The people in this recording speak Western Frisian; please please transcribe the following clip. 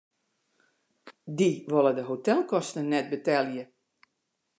Dy wolle de hotelkosten net betelje.